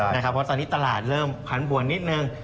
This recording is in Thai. เพราะตอนนี้ตลาดเริ่มพันบวนนิดนึง